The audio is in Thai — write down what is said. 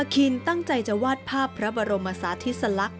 อคิณตั้งใจจะวาดภาพพระบรมศาสตร์ทิศลักษณ์